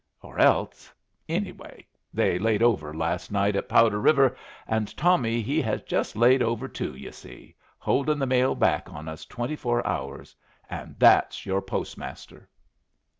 Or else anyway, they laid over last night at Powder River, and Tommy he has just laid over too, yu' see, holdin' the mail back on us twenty four hours and that's your postmaster!"